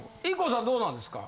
ＩＫＫＯさんどうなんですか？